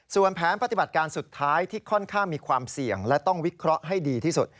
ส่วนแผนปฏิบัติการสุดท้ายที่ค่อนข้างมีความเสี่ยงและต้องวิเคราะห์ให้ดีที่สุด